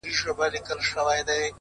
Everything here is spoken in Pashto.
هغه نن بيا د واويلا خاوند دی؛